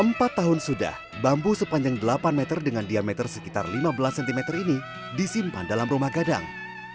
empat tahun sudah bambu sepanjang delapan meter dengan diameter sekitar lima belas cm ini disimpan dalam rumah gadang